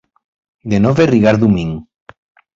Denove rigardu min.